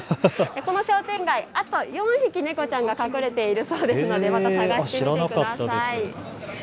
この商店街、あと４匹猫ちゃんが隠れているそうなのでまた探してみてください。